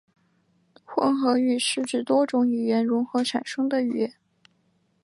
混合语是指多种语言融合产生的语言。